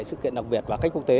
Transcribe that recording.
sự kiện đặc biệt và cách quốc tế